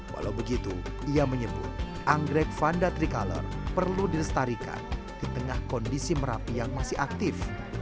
walau begitu ia menyebut anggrek vanda tricolor perlu dilestarikan di tengah kondisi merapi yang masih aktif